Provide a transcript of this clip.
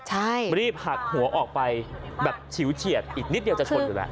ใช่รีบหักหัวออกไปแบบฉิวเฉียดอีกนิดเดียวจะชนอยู่แล้ว